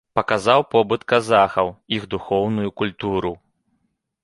Паказаў побыт казахаў, іх духоўную культуру.